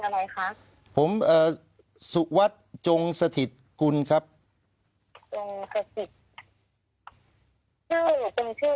อะไรคะผมเอ่อสุวัสดิ์จงสถิตกุลครับจงสถิตชื่อหนูเป็นชื่อ